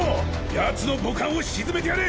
ヤツの母艦を沈めてやれ。